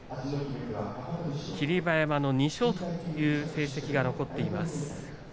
霧馬山の２勝という成績が残っています。